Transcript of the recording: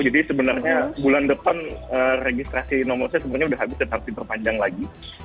jadi sebenarnya bulan depan registrasi nomor saya sebenarnya udah habis dan harus diperpanjang lagi